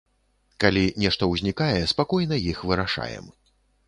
Калі нешта ўзнікае, спакойна іх вырашаем.